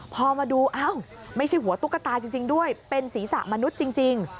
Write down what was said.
พอมาดูอ้าวไม่ใช่หัวตุ๊กตาจริงด้วยเป็นศีรษะมนุษย์จริง